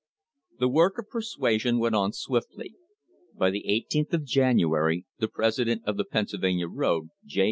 The work of persuasion went on swiftly. By the 18th of January the president of the Pennsylvania road, J.